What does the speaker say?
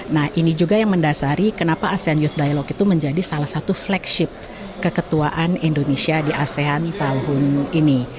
nah ini juga yang mendasari kenapa asean youth dialogue itu menjadi salah satu flagship keketuaan indonesia di asean tahun ini